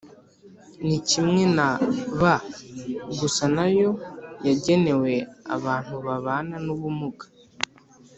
ni kimwe na B gusa nayo yagenewe abantu babana n’ubumuga